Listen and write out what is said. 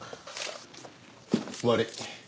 悪い。